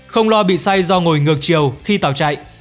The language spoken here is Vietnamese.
không lo bị say do ngồi ngược chiều khi tàu chạy